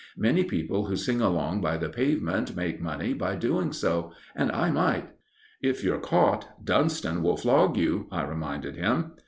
Many people who sing along by the pavement make money by doing so, and I might." "If you're caught, Dunston will flog you," I reminded him.